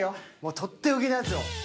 とっておきのやつを。